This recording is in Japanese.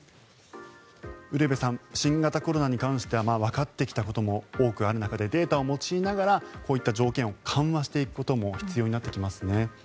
ウルヴェさん新型コロナに関してはわかってきたことも多くある中でデータを用いながらこういった条件を緩和していくことも必要になってきますね。